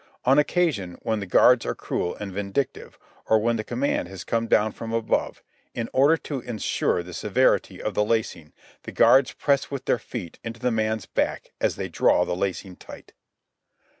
On occasion, when the guards are cruel and vindictive, or when the command has come down from above, in order to insure the severity of the lacing the guards press with their feet into the man's back as they draw the lacing tight.